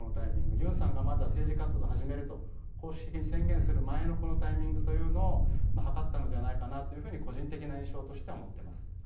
ユンさんがまだ政治活動を始めると公式的に行う前のタイミングを図ったのではないかなと個人的な印象としては持っています。